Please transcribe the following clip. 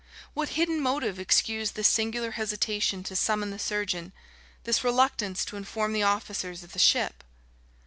What hidden motive excused this singular hesitation to summon the surgeon, this reluctance to inform the officers of the ship?